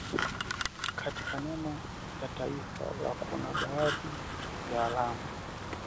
Katika nembo ya taifa la kuna badahi ya alama